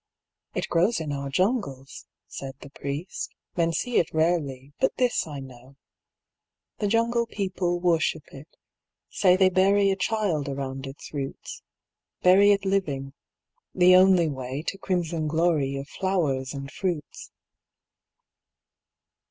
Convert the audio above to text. " It grows in our Jungles," said the Priest, " Men see it rarely ; but this I know, " The Jungle people worship it ; say They bury a child around its roots — Bury it living :— the only way To crimson glory of flowers and fruits."